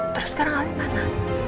terus sekarang alnya mana